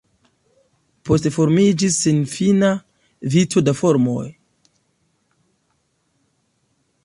Poste formiĝis senfina vico da farmoj.